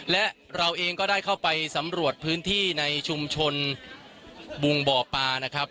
และเราเองก็ได้เข้าไปสำรวจพื้นที่ในชุมชนบุงบ่อปลานะครับ